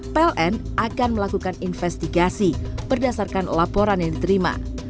pln akan melakukan investigasi berdasarkan laporan yang diterima